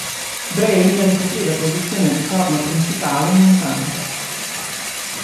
Brain ricoprì la posizione di corno principale in entrambe.